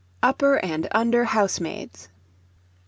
UPPER AND UNDER HOUSEMAIDS.